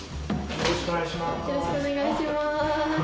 よろしくお願いします。